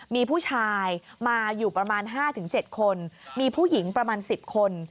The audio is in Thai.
มีผู้ชายมาอยู่ประมาณ๕๗คนมีผู้หญิงประมาณ๑๐คน